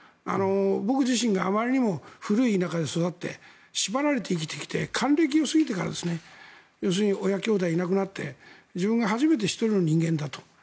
僕自身があまりにも古い田舎で育って縛られて生きてきて還暦を過ぎてから親兄弟がなくなって自分が初めて１人の人間だと。